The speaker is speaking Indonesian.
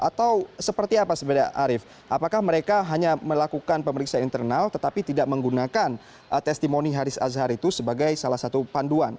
atau seperti apa sebenarnya arief apakah mereka hanya melakukan pemeriksaan internal tetapi tidak menggunakan testimoni haris azhar itu sebagai salah satu panduan